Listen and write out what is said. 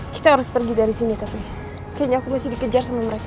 kita harus pergi dari sini tapi kayaknya aku masih dikejar sama mereka